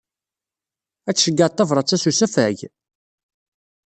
Ad tceyyɛeḍ tabṛat-a s usafag?